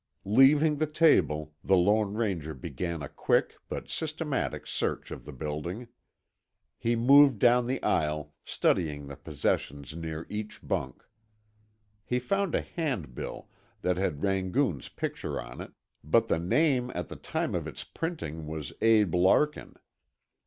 Leaving the table, the Lone Ranger began a quick but systematic search of the building. He moved down the aisle, studying the possessions near each bunk. He found a handbill that had Rangoon's picture on it, but the name at the time of its printing was Abe Larkin.